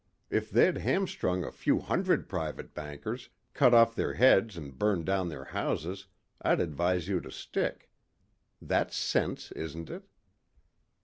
If they'd hamstrung a few hundred private bankers, cut off their heads and burned down their houses, I'd advise you to stick. That's sense isn't it?"